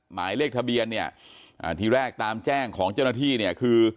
หมายเลขทะเบียนเนี่ยอ่าทีแรกตามแจ้งของเจ้าหน้าที่เนี่ยคือ